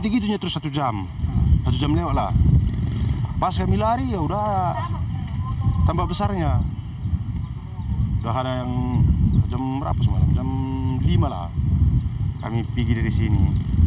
ketika tanpa besarnya sudah ada yang jam lima lah kami pergi dari sini